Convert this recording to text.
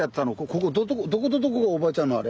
ここどことどこがおばあちゃんのあれ？